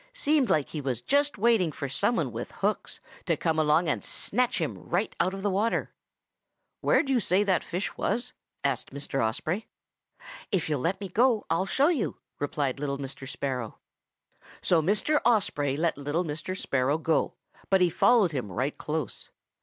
Seemed like he was just waiting for some one with hooks to come along and snatch him right out of the water.' "'Where'd you say that fish was?' asked Mr. Osprey. "'If you'll let me go, I'll show you,' replied little Mr. Sparrow. "So Mr. Osprey let little Mr. Sparrow go, but he followed him right close.